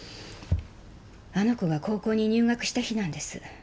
あの子が高校に入学した日なんです。